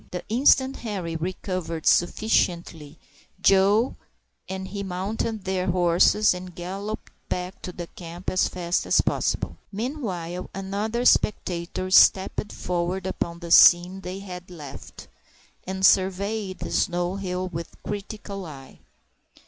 The instant Henri recovered sufficiently, Joe and he mounted their horses and galloped back to the camp as fast as possible. Meanwhile, another spectator stepped forward upon the scene they had left, and surveyed the snow hill with a critical eye.